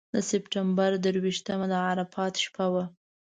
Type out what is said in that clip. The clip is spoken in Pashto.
د سپټمبر درویشتمه د عرفات شپه وه.